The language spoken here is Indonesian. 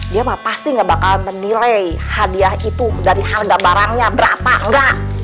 dia pasti gak bakal menilai hadiah itu dari harga barangnya berapa enggak